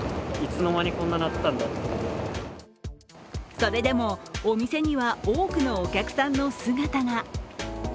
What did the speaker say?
それでも、お店には多くのお客さんの姿が。